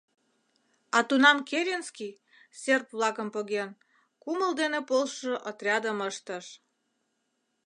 А тунам Керенский, серб-влакым поген, кумыл дене полшышо отрядым ыштыш.